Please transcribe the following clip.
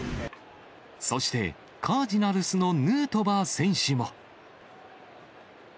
そしてカージナルスのヌートバー選手も。